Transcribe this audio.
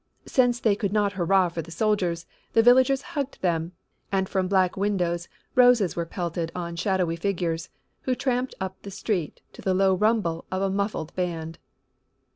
Since they could not hurrah for the soldiers, the villagers hugged them, and from black windows roses were pelted on shadowy figures who tramped up the street to the low rumble of a muffled band.